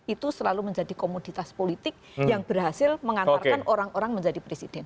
itu selalu menjadi komoditas politik yang berhasil mengantarkan orang orang menjadi presiden